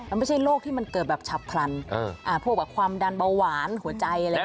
มันไม่ใช่โรคที่มันเกิดแบบฉับพลันพวกความดันเบาหวานหัวใจอะไรอย่างนี้